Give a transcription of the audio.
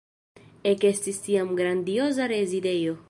Ekestis tiam grandioza rezidejo.